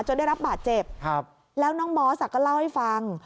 ได้รับบาดเจ็บแล้วน้องมอสก็เล่าให้ฟัง